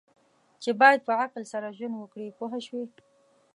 چې باید په عقل سره ژوند وکړي پوه شوې!.